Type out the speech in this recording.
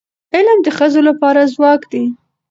علم د ښځو لپاره ځواک دی.